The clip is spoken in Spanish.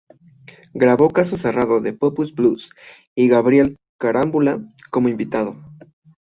Grabó "Caso Cerrado" de Pappo's Blues y con Gabriel Carámbula como invitado.